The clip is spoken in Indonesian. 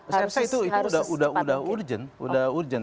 saya rasa itu sudah urgent